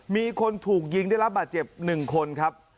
มีคนถูกยิงได้รับบาดเจ็บ๑คนครับ